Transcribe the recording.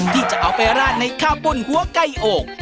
ที่จะเอาไปราดในข้าวปุ้นหัวไก่โอ่ง